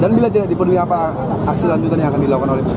dan bila tidak dipenuhi apa aksi lanjutan yang akan dilakukan oleh